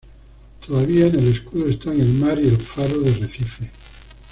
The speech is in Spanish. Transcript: Todavía en el escudo están el mar y el faro de Recife.